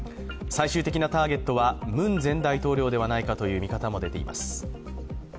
最終的なターゲットはムン前大統領ではないかという見方も出ています。